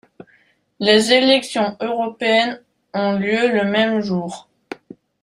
Les élections européennes ont lieu le même jour.